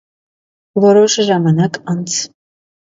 Որոշ ժամանակ անց։